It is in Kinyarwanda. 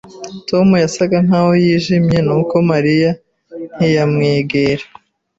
Tom yasaga nkaho yijimye, nuko Mariya ntiyamwegera.